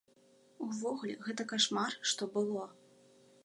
Увогуле, гэта кашмар, што было.